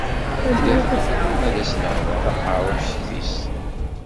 Anda tella ad as-neɣdeɣ taqerrut-is?”